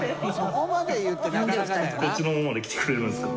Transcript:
こっちの方まで来てくれるんですか？